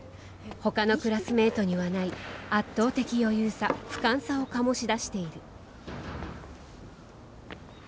ほかのクラスメートにはない圧倒的余裕さ俯瞰さを醸し出している。